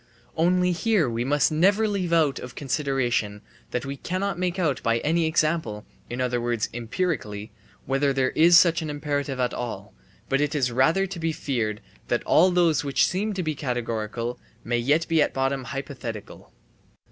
Only here we must never leave out of consideration that we cannot make out by any example, in other words empirically, whether there is such an imperative at all, but it is rather to be feared that all those which seem to be categorical may yet be at bottom hypothetical.